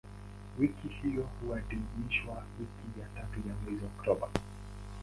Wiki hiyo huadhimishwa wiki ya tatu ya mwezi Oktoba.